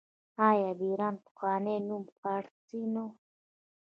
آیا د ایران پخوانی نوم فارس نه و؟